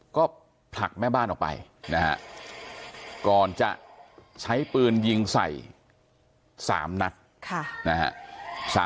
ก็ผลักแม่บ้านออกไปนะฮะก่อนจะใช้ปืนยิงใส่๓นัดนะฮะ